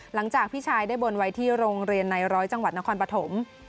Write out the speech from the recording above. หลังจากพี่ชายได้บนไว้ที่โรงเรียนในร้อยจังหวัดนครปฐม